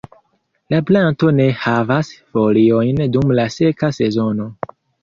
La planto ne havas foliojn dum la seka sezono.